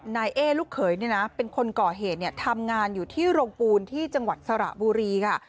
นายเอ๊ลูกเขยเนี่ยนะเป็นคนก่อเหตุทำงานอยู่ที่โรงปูนที่จังหวัดสระบุรีค่ะ